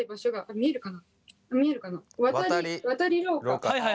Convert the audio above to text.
見えるかな？